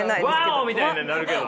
ワオみたいにはなるけど。